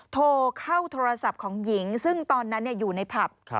โทรเข้าโทรศัพท์ของหญิงซึ่งตอนนั้นอยู่ในผับ